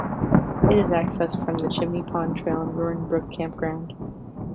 It is accessed from the Chimney Pond Trail and Roaring Brook Campground.